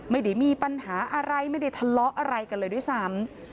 ไม่ได้มีปัญหาอะไรไม่ได้ทะเลาะอะไรกันเลยด้วยซ้ำ